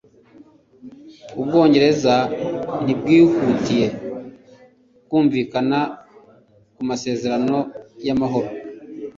Ubwongereza ntibwihutiye kumvikana ku masezerano y’amahoro.